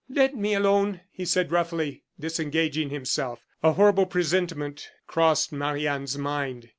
"Let me alone," he said, roughly, disengaging himself. A horrible presentiment crossed Marie Anne's mind.